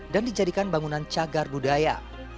dan dijadikan bangunan cagar budaya